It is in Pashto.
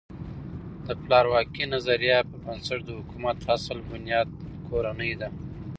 د پلار واکۍ نظریه پر بنسټ د حکومت اصل بنیاد کورنۍ ده.